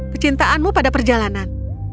kecintaanmu pada perjalanan